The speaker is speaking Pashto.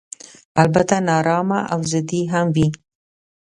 البته نا ارامه او ضدي هم وي.